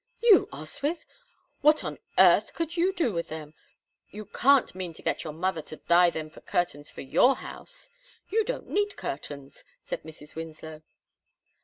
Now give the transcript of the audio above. "You, Oswyth! What on earth could you do with them? You can't mean to get your mother to dye them for curtains for your house? You don't need curtains," said Mrs. Winslow.